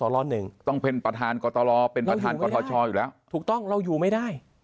เราอยู่ไม่ได้ถูกต้องเราอยู่ไม่ได้